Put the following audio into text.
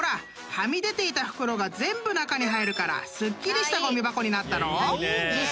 はみ出ていた袋が全部中に入るからすっきりしたごみ箱になったろ？］